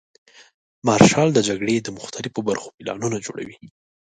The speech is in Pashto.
مارشال د جګړې د مختلفو برخو پلانونه جوړوي.